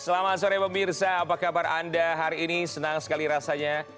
selamat sore pemirsa apa kabar anda hari ini senang sekali rasanya